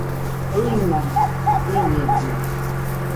ɨima jiñɨgɨ